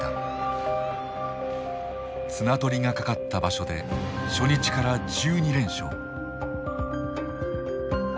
綱取りがかかった場所で初日から１２連勝。